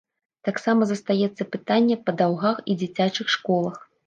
Таксама застаецца пытанне па даўгах і дзіцячых школах.